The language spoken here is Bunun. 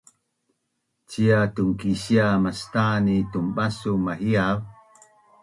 Cia tunkisia mastan ni tunbasu mahiav?